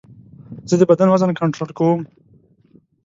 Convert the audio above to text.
زه د بدن وزن کنټرول کوم.